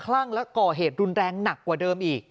ลั่งและก่อเหตุรุนแรงหนักกว่าเดิมอีก